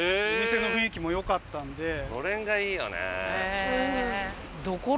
のれんがいいよね。